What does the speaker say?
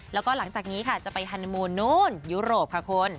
แล้วก็หลังจากนี้ค่ะจะไปฮันนามูลนู้นยุโรปค่ะคุณ